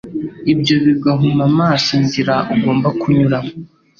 Ibyo biguhuma amaso inzira ugomba kunyuramo.